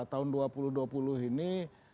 tahun dua ribu dua puluh ini